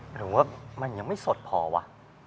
หรือว่ามันยังไม่สดพอวะ